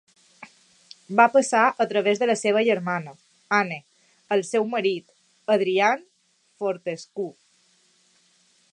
Va passar a través de la seva germana, Anne, al seu marit, Adrian Fortescue.